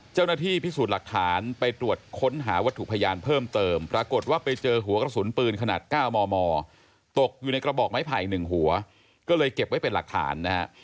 เจ้าหน้าที่พิสูจน์หลักฐานไปตรวจค้นหาวัตถุพยานเพิ่มเติมปรากฏว่าไปเจอหัวกระสุนปืนขนาด๙มมตกอยู่ในกระบอกไม้ไผ่๑หัวก็เลยเก็บไว้เป็นหลักฐานนะฮะ